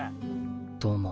どうも。